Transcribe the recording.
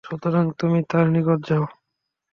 সুতরাং তুমি তার নিকট যাও।